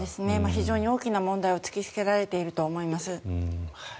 非常に大きな問題を突きつけられていると思います。